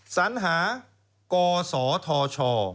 สัญหากศธช